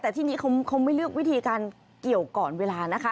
แต่ที่นี้เขาไม่เลือกวิธีการเกี่ยวก่อนเวลานะคะ